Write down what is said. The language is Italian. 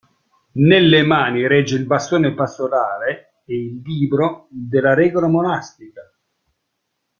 Nelle mani regge il bastone pastorale e il libro della regola monastica.